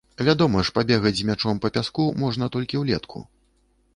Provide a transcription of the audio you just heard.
Вядома ж, пабегаць з мячом па пяску можна толькі ўлетку.